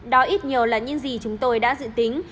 đó ít nhiều là những gì chúng tôi đã dự tính